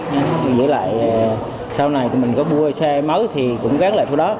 giữ lại sau này mình có mua xe mới thì cũng gắn lại số đó